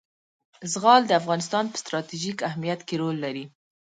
زغال د افغانستان په ستراتیژیک اهمیت کې رول لري.